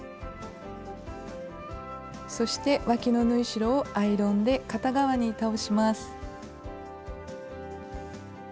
そしてわきの縫い代をアイロンで片側に倒します。